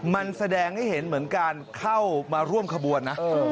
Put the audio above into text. มันแสดงให้เห็นเหมือนการเข้ามาร่วมขบวนนะ